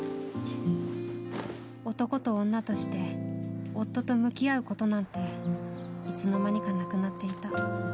男と女として夫と向き合うことなんていつの間にかなくなっていた。